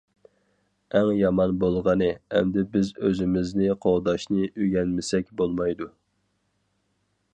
ئەڭ يامان بولغىنى، ئەمدى بىز ئۆزىمىزنى قوغداشنى ئۆگەنمىسەك بولمايدۇ.